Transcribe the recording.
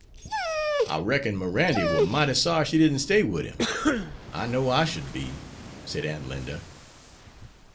"I reckon Mirandy war mighty sorry she didn't stay wid him. I know I should be," said Aunt Linda.